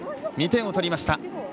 ２点を取りました。